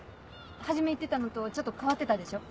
初め言ってたのとちょっと変わってたでしょ？